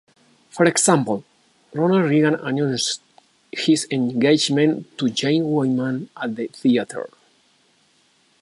For example, Ronald Reagan announced his engagement to Jane Wyman at the theater.